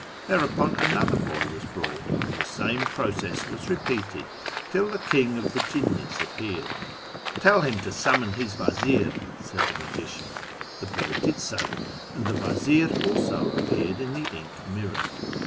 Thereupon another boy was brought, and the same process was repeated till the ' King of the jinnis ' appeared. ' Tell him to summon his vazir,' said the magician. The boy did so, and the vazir also appeared in the ink mirror.